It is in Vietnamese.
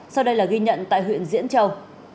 sau đây là ghi nhận tại huyện diễn châu